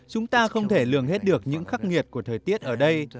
chúng ta không thể lường hết được những khắc nghiệt của thời tiết ở đây